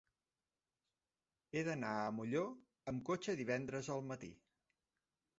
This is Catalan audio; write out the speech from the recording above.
He d'anar a Molló amb cotxe divendres al matí.